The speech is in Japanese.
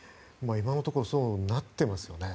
今のところそうなっていますね。